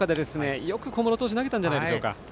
よく小室投手は投げたんじゃないでしょうか。